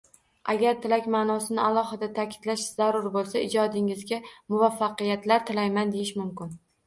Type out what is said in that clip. Agar tilak maʼnosini alohida taʼkidlash zarur boʻlsa, Ijodingizga muvaffaqiyatlar tilayman deyish mumkin